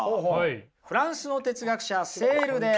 フランスの哲学者セールです。